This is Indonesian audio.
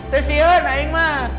tuh si on aing mah